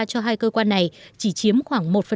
cho hai cơ quan này chỉ chiếm khoảng